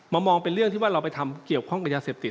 มองเป็นเรื่องที่ว่าเราไปทำเกี่ยวข้องกับยาเสพติด